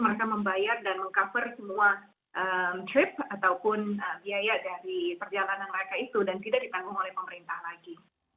mereka membayar dan meng cover semua trip ataupun biaya dari perjalanan mereka itu dan tidak ditanggung oleh pemerintah lagi